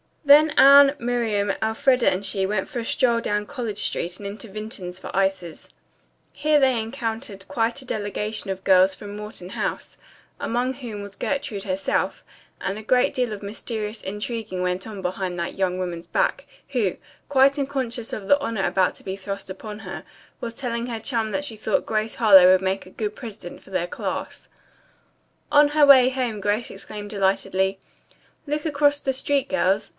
Then Anne, Miriam, Elfreda and she went for a stroll down College Street and into Vinton's for ices. Here they encountered quite a delegation of girls from Morton House, among whom was Gertrude herself, and a great deal of mysterious intriguing went on behind that young woman's back, who, quite unconscious of the honor about to be thrust upon her, was telling her chum that she thought Grace Harlowe would make a good president for 19 . On her way home Grace exclaimed delightedly: "Look across the street, girls!